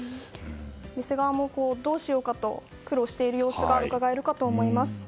店側もどうしようかと苦労している様子がうかがえるかと思います。